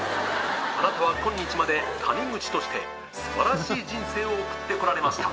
あなたは今日まで『谷口』としてスバラシイ人生を送ってこられました。